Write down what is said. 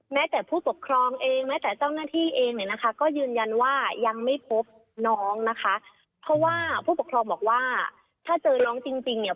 แม้แต่ผู้ปกครองเองแม้แต่เจ้าหน้าที่เองเนี่ยนะคะก็ยืนยันว่ายังไม่พบน้องนะคะเพราะว่าผู้ปกครองบอกว่าถ้าเจอน้องจริงจริงเนี่ย